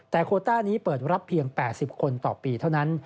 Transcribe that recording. แต่โคต้านี้เปิดรับเพียง๘๐คนต่อปีเท่านั้น